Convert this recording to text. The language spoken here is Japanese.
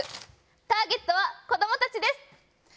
ターゲットは子どもたちです。